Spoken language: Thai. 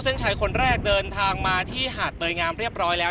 ในจังหญิงที่สำนักแข่งขัน